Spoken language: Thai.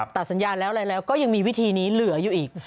ตัดสัญญาณแล้วอะไรแล้วก็ยังมีวิธีนี้เหลืออยู่อีก